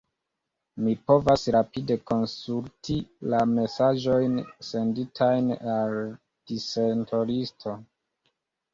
Mi povas rapide konsulti la mesaĝojn senditajn al la dissendolisto...